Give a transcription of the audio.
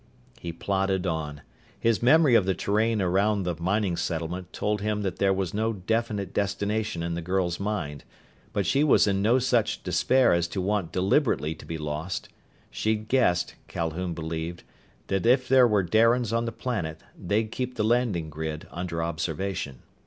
He plodded on. His memory of the terrain around the mining settlement told him that there was no definite destination in the girl's mind. But she was in no such despair as to want deliberately to be lost. She'd guessed, Calhoun believed, that if there were Darians on the planet, they'd keep the landing grid under observation.